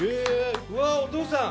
うわあお父さん！